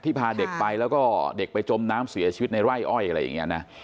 พาเด็กไปแล้วก็เด็กไปจมน้ำเสียชีวิตในไร่อ้อยอะไรอย่างนี้นะ